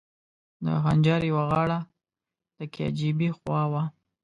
د خنجر یوه غاړه د کي جي بي خوا وه.